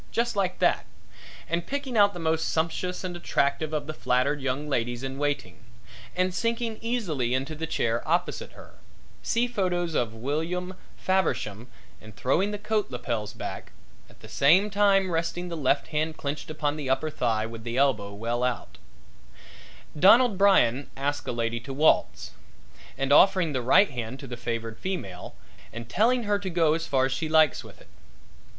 just like that, and picking out the most sumptuous and attractive of the flattered young ladies in waiting; and sinking easily into the chair opposite her see photos of William Faversham and throwing the coat lapels back, at the same time resting the left hand clenched upon the upper thigh with the elbow well out Donald Brian asking a lady to waltz and offering the right hand to the favored female and telling her to go as far as she likes with it.